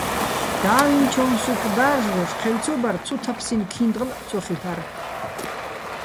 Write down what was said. და́ვინჩო́ჼ სუფრ და́რჟდოშ ჴელ ცო ბარ ცუთაფსინო̆ ქი́ნდღლაჸო̆ ცო ხილ'არ.